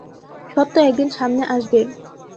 সত্য একদিন সামনে আসবে।